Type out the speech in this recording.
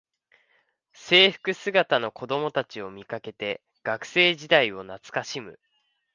制服姿の子どもたちを見かけて学生時代を懐かしむ